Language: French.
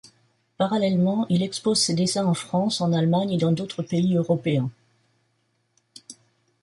Parallèlement, il expose ses dessins en France, en Allemagne et dans d'autres pays européens.